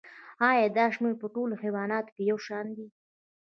ایا دا شمیر په ټولو حیواناتو کې یو شان دی